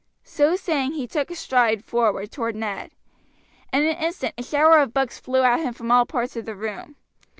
So saying, he took a stride forward toward Ned. In an instant a shower of books flew at him from all parts of the room.